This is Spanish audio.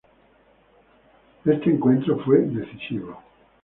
Este encuentro fue decisivo.